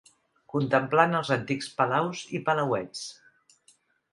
Contemplant els antics palaus i palauets